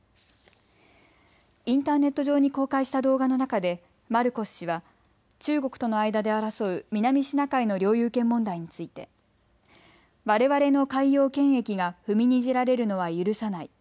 インターネット上に公開した動画の中でマルコス氏は中国との間で争う南シナ海の領有権問題についてわれわれの海洋権益が踏みにじられるのは許さない。